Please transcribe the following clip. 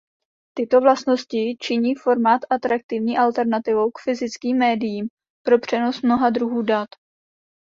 Tyto vlastnosti činí formát atraktivní alternativou k fyzickým médiím pro přenos mnoha druhů dat.